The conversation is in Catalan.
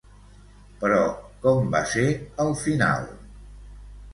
Però com va ser el final?